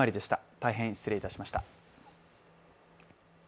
大変失礼いたしました。